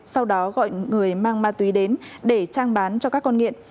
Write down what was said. sau đó gọi người mang ma túy đến để trang bán cho các con nghiện